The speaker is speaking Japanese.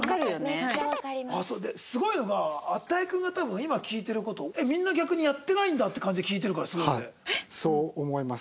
ですごいのが與君が多分今聞いてる事をえっみんな逆にやってないんだって感じで聞いてるからすごいね。